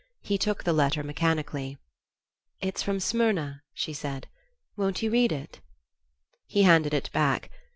He took the letter mechanically. "It's from Smyrna," she said. "Won't you read it?" He handed it back.